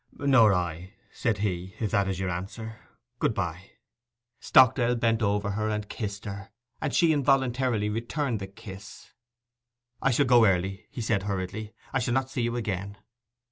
'Nor I,' said he. 'If that is your answer, good bye!' Stockdale bent over her and kissed her, and she involuntarily returned his kiss. 'I shall go early,' he said hurriedly. 'I shall not see you again.